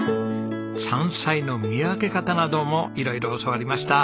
山菜の見分け方なども色々教わりました。